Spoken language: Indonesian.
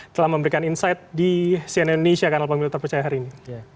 telah memberikan insight di cnn indonesia kanal pemilu terpercaya hari ini